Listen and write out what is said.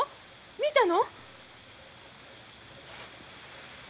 見たの？